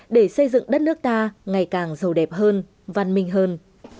để xây dựng đất nước ta ngày càng giàu đẹp hơn văn minh hơn